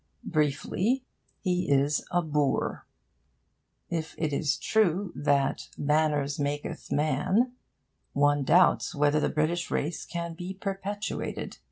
Briefly, he is a boor. If it is true that 'manners makyth man,' one doubts whether the British race can be perpetuated.